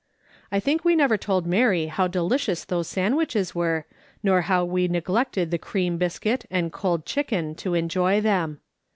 I think we never told ]\Iary how delicious those sandwiches were, nor how vre neglected tlie cream biscuit and cold chicken to enjoy them.